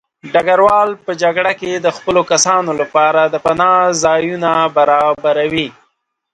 ډګروال په جګړه کې د خپلو کسانو لپاره د پناه ځایونه برابروي.